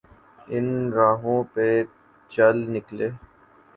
ان راہوں پہ چل نکلے۔